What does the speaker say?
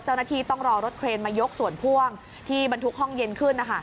เจ้าหน้าที่ต้องรอรถเครนมายกส่วนพ่วงที่บรรทุกห้องเย็นขึ้น